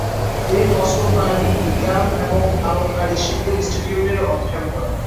তিনি মস্কো প্রায়োগিক বিজ্ঞান এবং আলংকারিক শিল্প ইন্সটিটিউট -এ অধ্যায়ন করেন।